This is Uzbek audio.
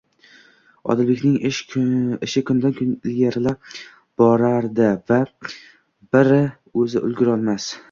Odilbekning ishi kundan-kun ilgarila borardi va bir o'zi ulgurolmas